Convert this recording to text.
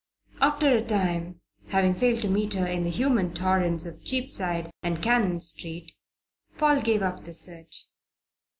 After a time, having failed to meet her in the human torrents of Cheapside and Cannon Street, Paul gave up the search.